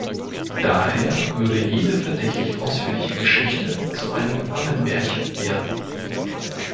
Daher würde jede verdächtig ausführliche Geschichte zu einem Ammenmärchen werden